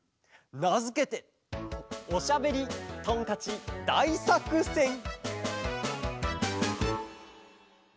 なづけて「おしゃべりトンカチだいさくせん」！